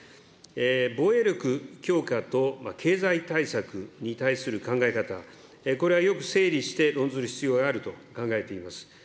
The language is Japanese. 防衛力強化と経済対策に対する考え方、これはよく整理して論ずる必要があると考えています。